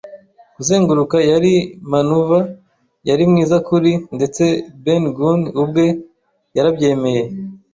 kuzenguruka yari manuuver yari mwiza kuri. Ndetse Ben Gunn ubwe yarabyemeye